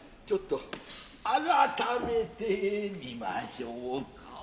ちょっとあらためてみましょうか。